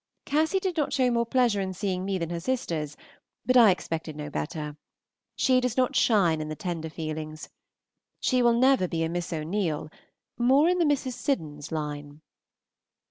Cassy did not show more pleasure in seeing me than her sisters, but I expected no better. She does not shine in the tender feelings. She will never be a Miss O'Neil, more in the Mrs. Siddons line.